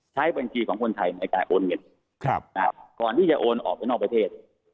ใช้บัญชีของคนไทยในการโอนเงินก่อนที่จะโอนออกไปนอกประเทศ